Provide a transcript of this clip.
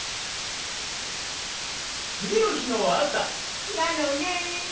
つぎの日のあさなのねん。